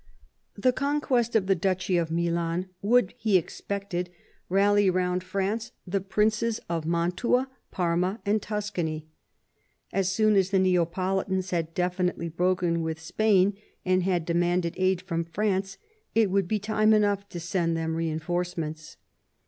The conquest of the duchy of Milan would, he expected, rally round France the princes of Mantua, Parma, and Tuscany. As soon as the Neapolitans had definitely broken with Spain and had demanded aid from France, it would be time enough to send them reinforcements.